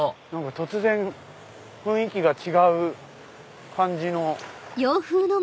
突然雰囲気が違う感じの。